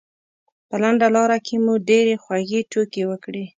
په لنډه لاره کې مو ډېرې خوږې ټوکې وکړې.